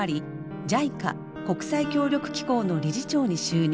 ＪＩＣＡ国際協力機構の理事長に就任。